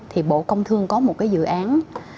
thì bộ công thương có một dự án